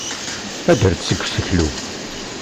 Ader-d seg useklu.